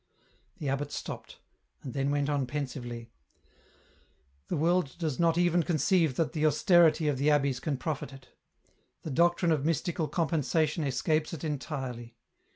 The abbot stopped, and then went on pensively, " The world does not even conceive that the austerity of the abbeys can profit it. The doctrine of mystical compensation escapes it entirely.